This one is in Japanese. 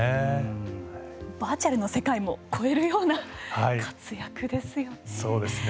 バーチャルの世界も超えるような活躍ですよね。